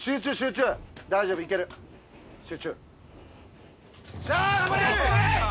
集中。